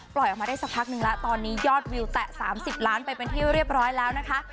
ออกมาได้สักพักนึงแล้วตอนนี้ยอดวิวแตะ๓๐ล้านไปเป็นที่เรียบร้อยแล้วนะคะ